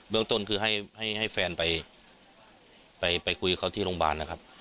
เรื่องต้นคือให้แฟนไปคุยกับเขาที่โรงพยาบาลนะครับ